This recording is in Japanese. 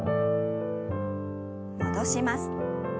戻します。